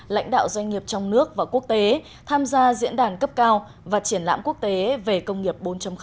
lãnh đạo doanh nghiệp trong nước và quốc tế tham gia diễn đàn cấp cao và triển lãm quốc tế về công nghiệp bốn